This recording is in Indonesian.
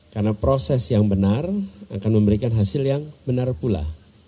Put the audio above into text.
karena proses yang benar akan memberikan hasil yang benar pula